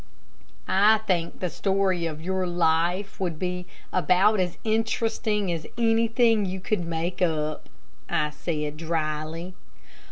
"I think the story of your life would be about as interesting as anything you could make up," I said, dryly.